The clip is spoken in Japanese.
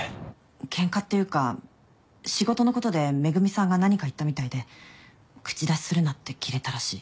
ケンカっていうか仕事のことで恵美さんが何か言ったみたいで口出しするなってキレたらしい。